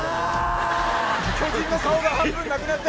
巨人の顔が半分なくなって。